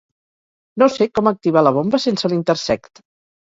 No sé com activar la bomba sense l'Intersect.